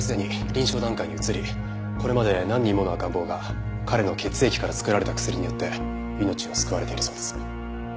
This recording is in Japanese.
これまで何人もの赤ん坊が彼の血液から作られた薬によって命を救われているそうです。